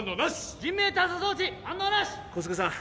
人命探査装置反応なし小菅さん